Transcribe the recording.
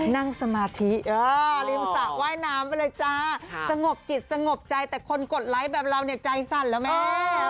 นั่งสมาธิริมสระว่ายน้ำไปเลยจ้าสงบจิตสงบใจแต่คนกดไลค์แบบเราเนี่ยใจสั่นแล้วแม่